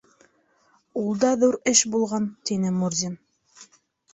— Ул да ҙур эш булған, — тине Мурзин.